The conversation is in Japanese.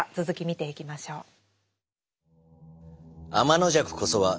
続き見ていきましょう。